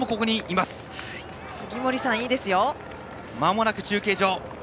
まもなく中継所。